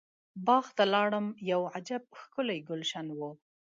باغ ته لاړم یو عجب ښکلی ګلشن و.